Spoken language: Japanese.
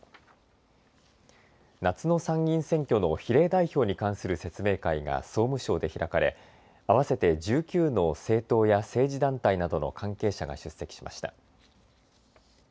夏の参議院選挙の比例代表に関する説明会が総務省で開かれ合わせて１９の政党や政治団体などの関係者が出席しました。